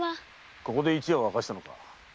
ここで一夜を明かしたのか？